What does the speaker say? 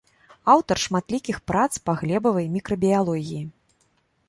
Аўтар шматлікіх прац па глебавай мікрабіялогіі.